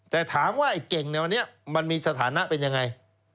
แต่ถามว่าไอ้เก่งในวันนี้มันมีสถานะเป็นยังไง